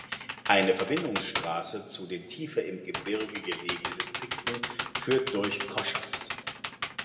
Eine Verbindungsstraße zu den tiefer im Gebirge gelegenen Distrikten führt durch Cochas.